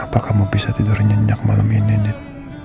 apa kamu bisa tidur nyenyak malam ini net